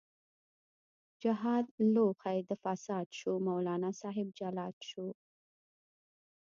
جهاد لوښۍ د فساد شو، مولانا صاحب جلاد شو